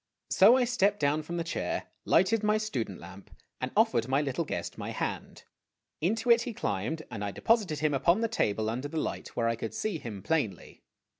So I stepped down from the chair, lighted my student lamp, and offered my little guest my hand. Into it he climbed, and I deposited him upon the table under the light, where I could see him plainly.